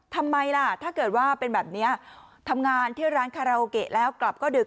ทำไมล่ะถ้าเกิดว่าเป็นแบบนี้ทำงานที่ร้านคาราโอเกะแล้วกลับก็ดึก